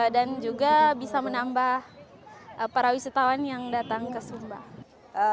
dan juga bisa menambah para wisatawan yang datang ke sumba